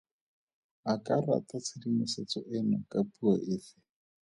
O ka rata tshedimosetso eno ka puo efe?